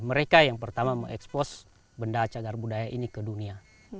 mereka yang pertama mengekspos benda cagar budaya ini ke dunia